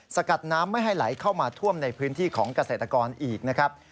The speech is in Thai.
สกัดน้ำไม่ให้ไหลเข้ามาท่วมในพื้นที่ของเกษตรกรอีกนะครับ